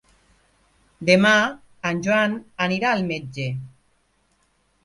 Demà en Joan anirà al metge.